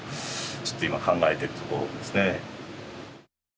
ちょっと今考えてるとこですね。